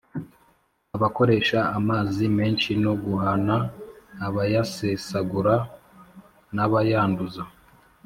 abakoresha amazi menshi no guhana abayasesagura n'abayanduza.